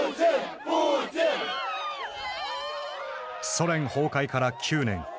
ソ連崩壊から９年。